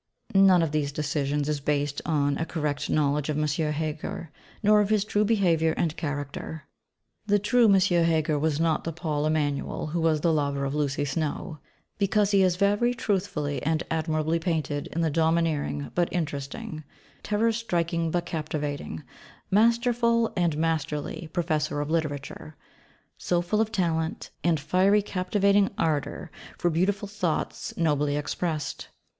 None of these decisions is based on a correct knowledge of M. Heger, nor of his true behaviour and character. The true M. Heger was not the Paul Emanuel who was the lover of Lucy Snowe, because he is very truthfully and admirably painted in the domineering but interesting, terror striking but captivating, masterful and masterly Professor of literature, so full of talent, and fiery captivating ardour for beautiful thoughts nobly expressed.